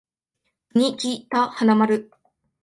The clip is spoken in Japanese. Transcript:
国木田花丸